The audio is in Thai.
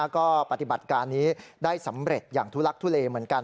ก็ปฏิบัติการนี้ได้สำเร็จอย่างทุลักทุเลเหมือนกัน